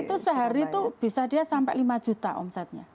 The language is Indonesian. itu sehari itu bisa dia sampai lima juta omsetnya